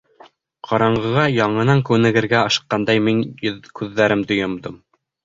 Ҡараңғыға яңынан күнегергә ашыҡҡандай мин күҙҙәремде йомдом.